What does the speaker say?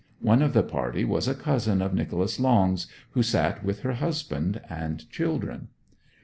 One of the party was a cousin of Nicholas Long's, who sat with her husband and children.